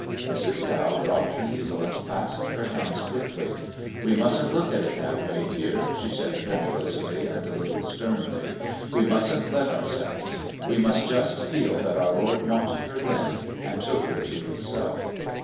Mrs. Dow dropped her needle and clasped her hands quickly. "We mustn't look at it that way, dear," she said tremulously and a little sternly; "we mustn't let ourselves. We must just feel that our Lord wanted her then, and took her to Himself.